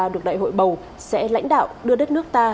được đại hội bầu sẽ lãnh đạo đưa đất nước ta